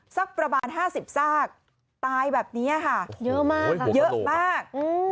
สักประมาณ๕๐สากตายแบบนี้เยอะมาก